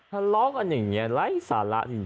ทะเลาะกันอย่างนี้ไร้สาระจริง